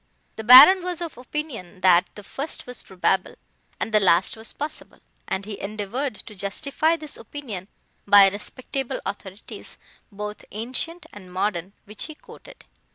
The Baron was of opinion, that the first was probable, and the last was possible, and he endeavoured to justify this opinion by respectable authorities, both ancient and modern, which he quoted.